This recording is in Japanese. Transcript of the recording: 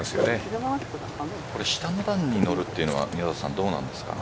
下の段に乗るというのは宮里さんどうですか。